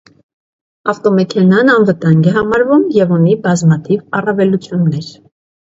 Ավտոմեքենան անվտանգ է համարվում, և ունի բազմաթիվ առավելություններ։